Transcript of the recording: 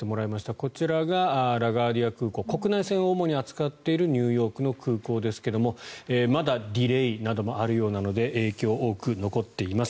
こちらがラガーディア空港国内線を主に扱っているニューヨークの空港ですがまだディレーなどもあるようなので影響、多くのこっています。